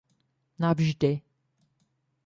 Navždy.